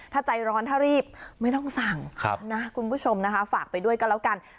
ถ้าใจร้อนถ้ารีบไม่ต้องสั่งนะคุณผู้ชมนะคะฝากไปด้วยกันแล้วกัน